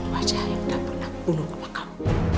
wajah yang gak pernah bunuh sama kamu